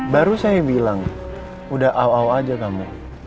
baru saya bilang udah aw aw aja kamu